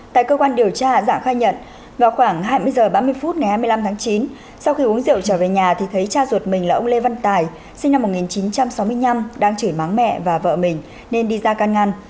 tại cơ quan điều tra giảng khai nhận vào khoảng hai mươi h ba mươi phút ngày hai mươi năm tháng chín sau khi uống rượu trở về nhà thì thấy cha ruột mình là ông lê văn tài sinh năm một nghìn chín trăm sáu mươi năm đang chửi mắng mẹ và vợ mình nên đi ra can ngăn